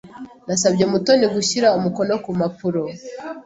Nasabye Mutoni gushyira umukono ku mpapuro.